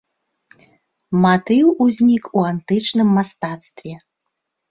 Матыў узнік у антычным мастацтве.